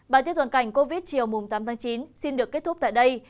bản tin tuần cảnh covid chiều tám chín xin được kết thúc tại đây